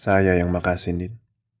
saya yang makasih nin